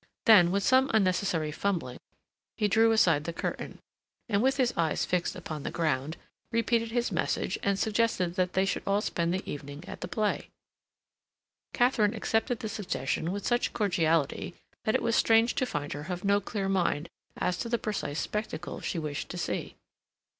Then, with some unnecessary fumbling, he drew aside the curtain, and with his eyes fixed upon the ground, repeated his message and suggested that they should all spend the evening at the play. Katharine accepted the suggestion with such cordiality that it was strange to find her of no clear mind as to the precise spectacle she wished to see.